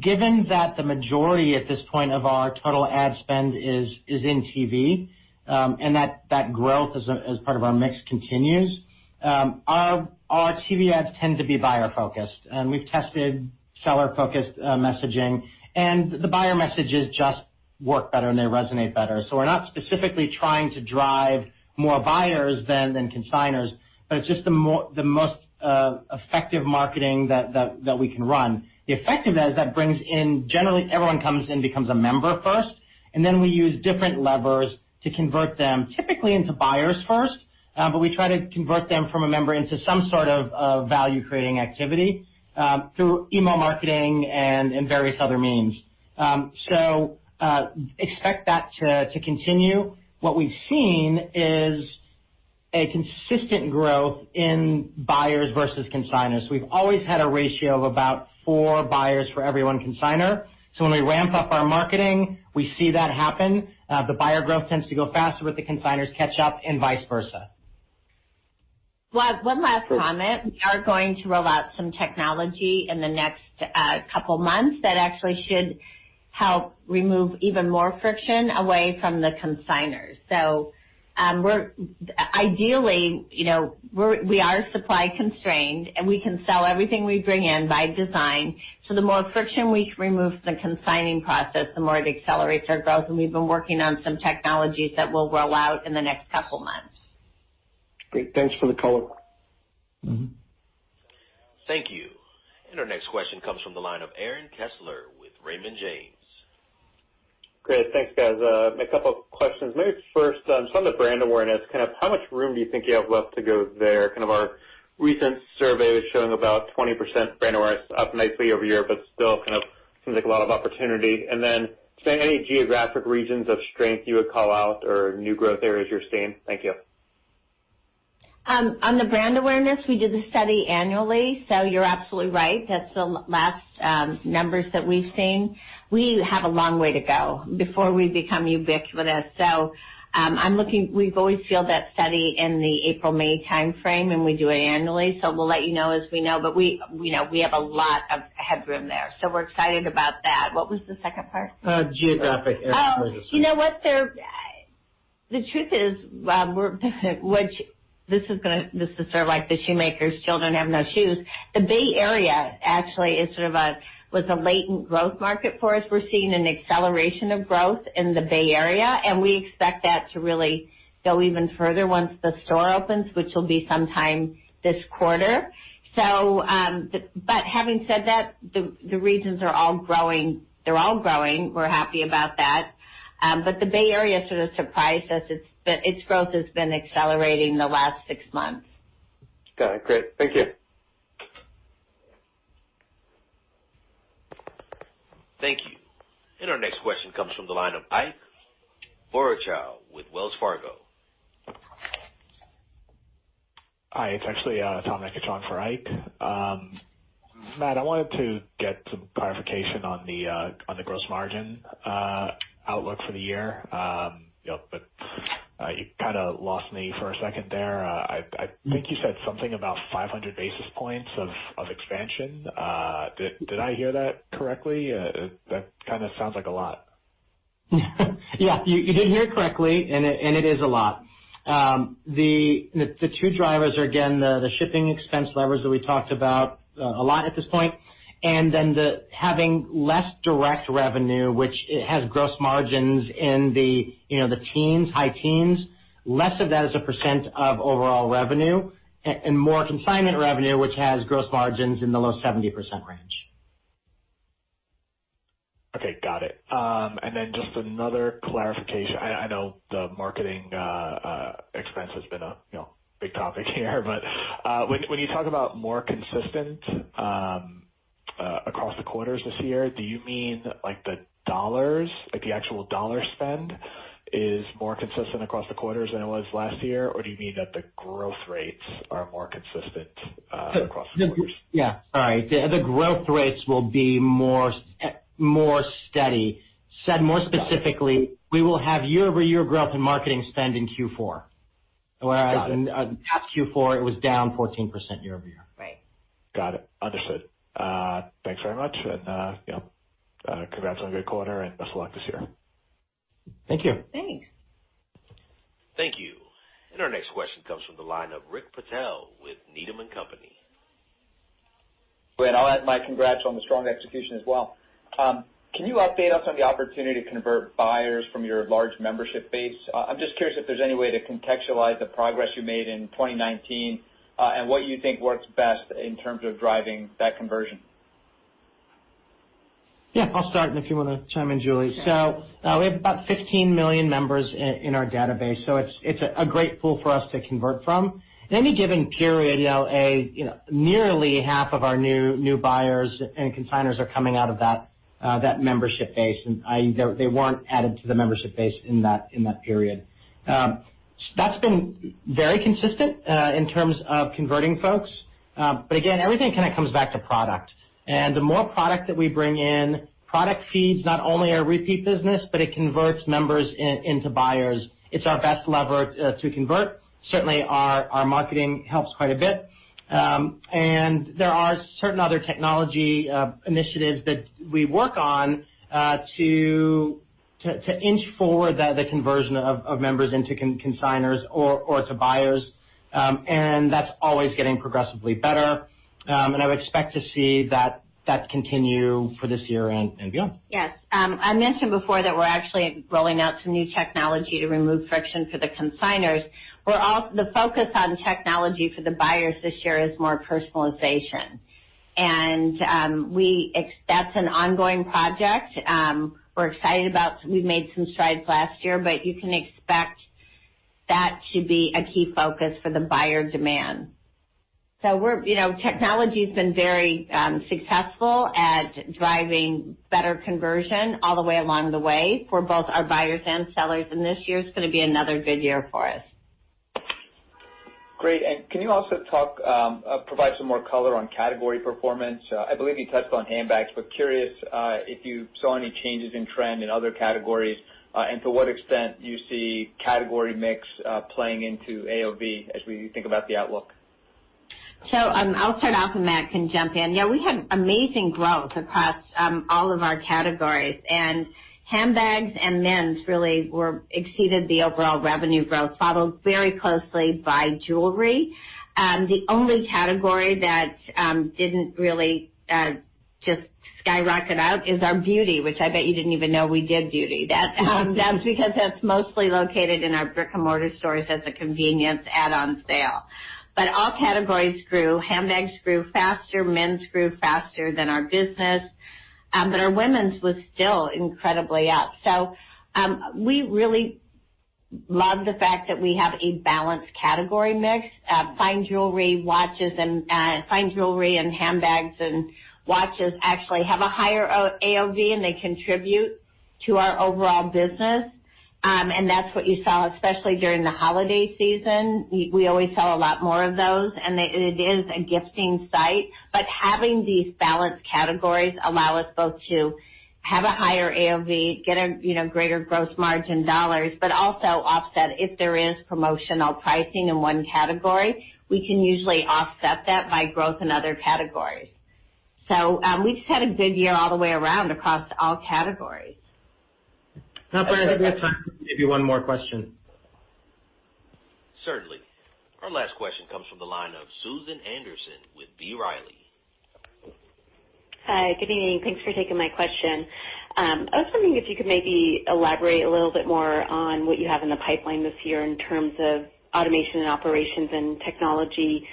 given that the majority at this point of our total ad spend is in TV, and that growth as part of our mix continues, our TV ads tend to be buyer-focused. We've tested seller-focused messaging, and the buyer messages just work better, and they resonate better. We're not specifically trying to drive more buyers than consignors, but it's just the most effective marketing that we can run. The effectiveness that brings in, generally, everyone comes in, becomes a member first, and then we use different levers to convert them, typically into buyers first. We try to convert them from a member into some sort of value-creating activity, through email marketing and various other means. Expect that to continue. What we've seen is a consistent growth in buyers versus consignors. We've always had a ratio of about four buyers for every one consignor. When we ramp up our marketing, we see that happen. The buyer growth tends to go faster, the consignors catch up and vice versa. One last comment. We are going to roll out some technology in the next couple of months that actually should help remove even more friction away from the consignors. Ideally, we are supply constrained, and we can sell everything we bring in by design. The more friction we remove from the consigning process, the more it accelerates our growth, and we've been working on some technologies that we'll roll out in the next couple of months. Great. Thanks for the color. Thank you. Our next question comes from the line of Aaron Kessler with Raymond James. Great. Thanks, guys. A couple of questions. Maybe first on the brand awareness, how much room do you think you have left to go there? Our recent survey was showing about 20% brand awareness up nicely over year, still seems like a lot of opportunity. Then, say any geographic regions of strength you would call out or new growth areas you're seeing? Thank you. On the brand awareness, we do the study annually, you're absolutely right. That's the last numbers that we've seen. We have a long way to go before we become ubiquitous. We've always filled that study in the April, May timeframe, and we do it annually. We'll let you know as we know, but we have a lot of headroom there. We're excited about that. What was the second part? Geographic areas. You know what? The truth is, this is sort of like the shoemaker's children have no shoes. The Bay Area actually was a latent growth market for us. We're seeing an acceleration of growth in the Bay Area, we expect that to really go even further once the store opens, which will be sometime this quarter. Having said that, the regions are all growing. They're all growing. We're happy about that. The Bay Area sort of surprised us. Its growth has been accelerating the last six months. Got it. Great. Thank you. Thank you. Our next question comes from the line of Ike Boruchow with Wells Fargo. Hi. It's actually Tom Nikic on or Ike. Matt, I wanted to get some clarification on the gross margin outlook for the year. You kind of lost me for a second there. I think you said something about 500 basis points of expansion. Did I hear that correctly? That kind of sounds like a lot. Yeah. You did hear correctly, and it is a lot. The two drivers are, again, the shipping expense levers that we talked about a lot at this point, and then the having less direct revenue, which has gross margins in the high teens, less of that as a percent of overall revenue, and more consignment revenue, which has gross margins in the low 70% range. Okay, got it. Just another clarification. I know the marketing expense has been a big topic here, but when you talk about more consistent across the quarters this year, do you mean the dollars, the actual dollar spend is more consistent across the quarters than it was last year, or do you mean that the growth rates are more consistent across the quarters? Yeah. All right. The growth rates will be more steady. Said more specifically, we will have year-over-year growth in marketing spend in Q4. Got it. Last Q4, it was down 14% year-over-year. Right. Got it. Understood. Thanks very much. Congrats on a good quarter and best of luck this year. Thank you. Thanks. Thank you. Our next question comes from the line of Rick Patel with Needham & Company. I'll add my congrats on the strong execution as well. Can you update us on the opportunity to convert buyers from your large membership base? I'm just curious if there's any way to contextualize the progress you made in 2019, and what you think works best in terms of driving that conversion. Yeah, I'll start and if you want to chime in, Julie. We have about 15 million members in our database, so it's a great pool for us to convert from. In any given period, nearly half of our new buyers and consignors are coming out of that membership base, i.e., they weren't added to the membership base in that period. That's been very consistent in terms of converting folks. Again, everything kind of comes back to product. The more product that we bring in, product feeds not only our repeat business, but it converts members into buyers. It's our best lever to convert. Certainly, our marketing helps quite a bit. There are certain other technology initiatives that we work on to inch forward the conversion of members into consignors or to buyers. That's always getting progressively better. I would expect to see that continue for this year and beyond. Yes. I mentioned before that we're actually rolling out some new technology to remove friction for the consignors. The focus on technology for the buyers this year is more personalization. That's an ongoing project. We're excited about, we've made some strides last year, but you can expect that to be a key focus for the buyer demand. Technology's been very successful at driving better conversion all the way along the way for both our buyers and sellers, and this year's going to be another good year for us. Great. Can you also provide some more color on category performance? I believe you touched on handbags, but curious if you saw any changes in trend in other categories, and to what extent you see category mix playing into AOV as we think about the outlook. I'll start off and Matt can jump in. We had amazing growth across all of our categories, and handbags and men's really exceeded the overall revenue growth, followed very closely by jewelry. The only category that didn't really just skyrocket out is our beauty, which I bet you didn't even know we did beauty. That's because that's mostly located in our brick-and-mortar stores as a convenience add-on sale. All categories grew. Handbags grew faster, men's grew faster than our business. Our women's was still incredibly up. We really love the fact that we have a balanced category mix. Fine jewelry and handbags and watches actually have a higher AOV, and they contribute to our overall business. That's what you saw, especially during the holiday season. We always sell a lot more of those, and it is a gifting site. Having these balanced categories allow us both to have a higher AOV, get greater gross margin dollars, but also offset if there is promotional pricing in one category, we can usually offset that by growth in other categories. We just had a big year all the way around across all categories. Operator, do we have time for maybe one more question? Certainly. Our last question comes from the line of Susan Anderson with B. Riley. Hi. Good evening. Thanks for taking my question. I was wondering if you could maybe elaborate a little bit more on what you have in the pipeline this year in terms of automation and operations and technology.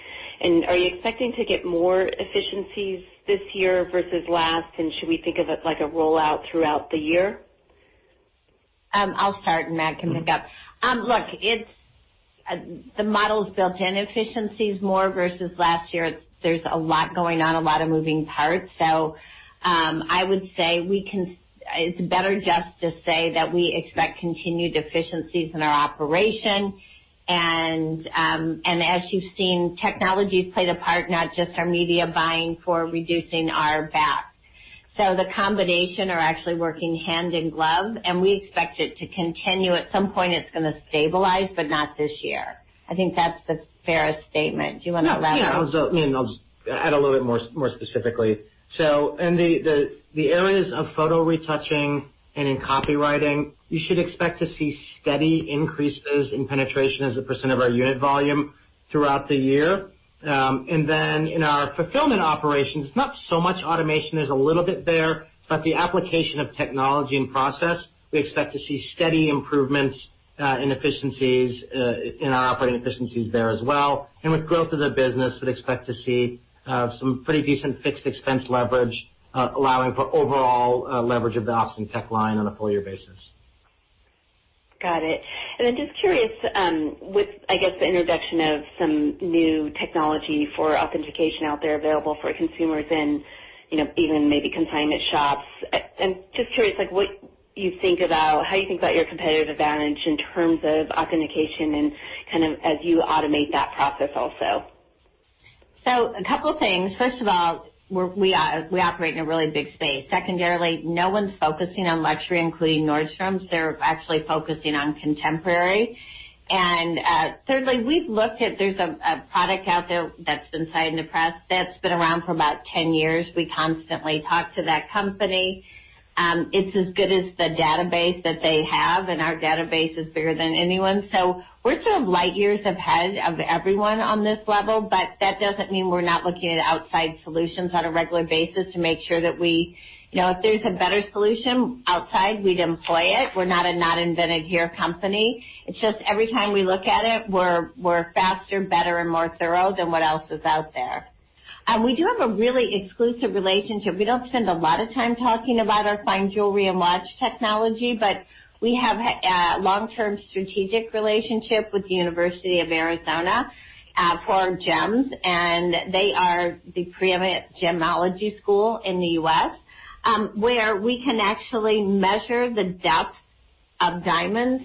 Are you expecting to get more efficiencies this year versus last, and should we think of it like a rollout throughout the year? I'll start, and Matt can pick up. Look, the model is built in efficiencies more versus last year. There's a lot going on, a lot of moving parts. I would say it's better just to say that we expect continued efficiencies in our operation and, as you've seen, technology's played a part, not just our media buying for reducing our BAC. The combination are actually working hand in glove, and we expect it to continue. At some point, it's going to stabilize, but not this year. I think that's the fairest statement. Do you want to elaborate? No. I'll just add a little bit more specifically. In the areas of photo retouching and in copywriting, you should expect to see steady increases in penetration as a percent of our unit volume throughout the year. In our fulfillment operations, not so much automation. There's a little bit there, but the application of technology and process, we expect to see steady improvements in efficiencies, in our operating efficiencies there as well. With growth of the business, we'd expect to see some pretty decent fixed expense leverage, allowing for overall leverage of the ops and tech line on a full year basis. Got it. Just curious, with, I guess, the introduction of some new technology for authentication out there available for consumers and even maybe consignment shops, I'm just curious, how you think about your competitive advantage in terms of authentication and kind of as you automate that process also. A couple things. First of all, we operate in a really big space. Secondarily, no one's focusing on luxury, including Nordstrom. They're actually focusing on contemporary. Thirdly, we've looked at, there's a product out there that's been cited in the press that's been around for about 10 years. We constantly talk to that company. It's as good as the database that they have, and our database is bigger than anyone. We're sort of light years ahead of everyone on this level, but that doesn't mean we're not looking at outside solutions on a regular basis to make sure that if there's a better solution outside, we'd employ it. We're not a not invented here company. It's just every time we look at it, we're faster, better, and more thorough than what else is out there. We do have a really exclusive relationship. We don't spend a lot of time talking about our fine jewelry and watch technology. We have a long-term strategic relationship with the University of Arizona for gems. They are the preeminent gemology school in the U.S., where we can actually measure the depth of diamonds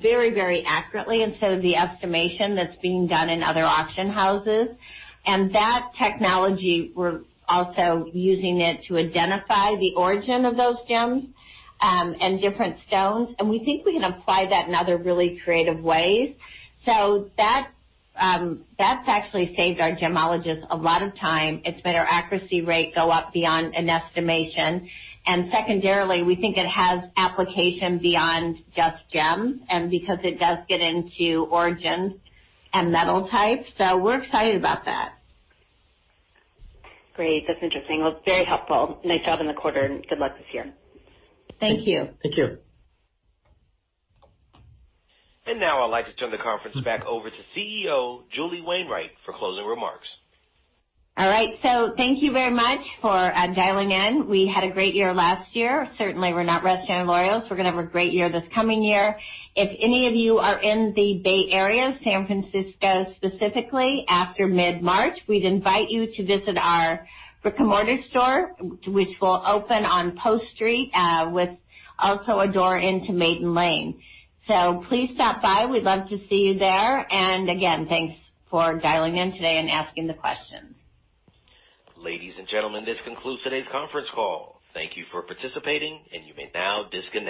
very accurately instead of the estimation that's being done in other auction houses. That technology, we're also using it to identify the origin of those gems and different stones. We think we can apply that in other really creative ways. That's actually saved our gemologists a lot of time. It's made our accuracy rate go up beyond an estimation. Secondarily, we think it has application beyond just gems and because it does get into origins and metal types. We're excited about that. Great. That's interesting. Well, it's very helpful. Nice job in the quarter, and good luck this year. Thank you. Thank you. Now I'd like to turn the conference back over to CEO, Julie Wainwright, for closing remarks. All right. Thank you very much for dialing in. We had a great year last year. Certainly, we're not resting on laurels. We're going to have a great year this coming year. If any of you are in the Bay Area, San Francisco specifically, after mid-March, we'd invite you to visit our brick-and-mortar store, which will open on Post Street with also a door into Maiden Lane. Please stop by. We'd love to see you there. Again, thanks for dialing in today and asking the questions. Ladies and gentlemen, this concludes today's conference call. Thank you for participating. You may now disconnect.